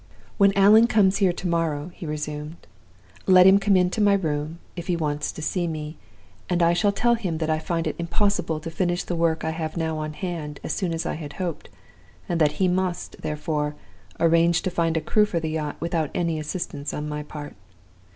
"'When Allan comes here to morrow,' he resumed, 'let him come into my room, if he wants to see me. I shall tell him that I find it impossible to finish the work I now have on hand as soon as I had hoped, and that he must, therefore, arrange to find a crew for the yacht without any assistance on my part.